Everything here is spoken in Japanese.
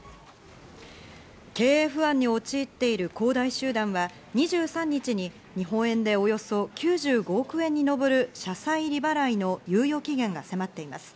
経営不安に陥っている恒大集団は２３日に日本円でおよそ９５億円に上る社債利払いの猶予期限が迫っています。